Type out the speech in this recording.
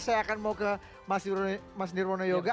saya akan mau ke mas nirwono yoga